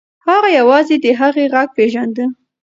هغه یوازې د هغې غږ پیژانده.